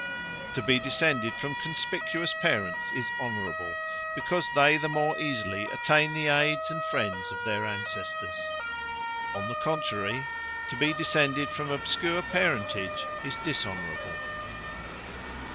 To be descended from conspicuous Parents, is Honourable; because they the more easily attain the aydes, and friends of their Ancestors. On the contrary, to be descended from obscure Parentage, is Dishonourable.